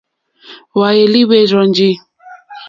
Hwéálí hwɛ́ rzɔ́njì.